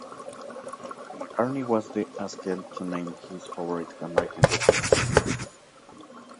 McCartney was then asked to name his favourite American group.